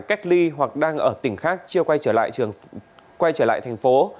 các tỉnh an giang cũng đang cách ly hoặc đang ở tỉnh khác chưa quay trở lại thành phố